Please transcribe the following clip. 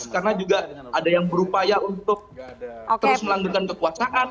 karena juga ada yang berupaya untuk terus melanggukan kekuasaan